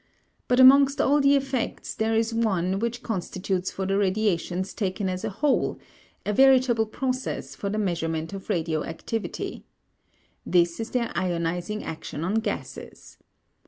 But amongst all the effects there is one which constitutes for the radiations taken as a whole, a veritable process for the measurement of radioactivity. This is their ionizing action on gases.